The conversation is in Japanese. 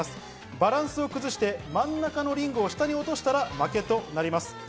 バランスを崩して真ん中のリングを下に落としたら負けとなります。